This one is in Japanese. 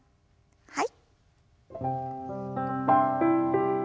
はい。